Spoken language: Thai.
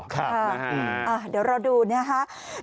ค่ะเดี๋ยวเราดูนะคะ